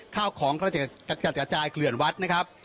ข้าวของกระจัดกระจายเกลื่อนวัดนะครับ